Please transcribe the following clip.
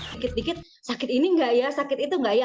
dikit dikit sakit ini enggak ya sakit itu nggak ya